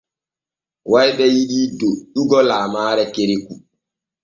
Wayɓe yiɗii doƴƴugo laamaare kereku.